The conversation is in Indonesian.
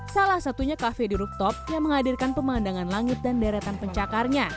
salah satunya kafe di rooftop yang menghadirkan pemandangan langit dan deretan pencakarnya